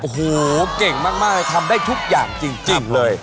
โอ้โหเก่งมากเลยทำได้ทุกอย่างจริงเลย